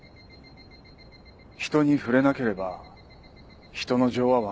人に触れなければ人の情はわからない。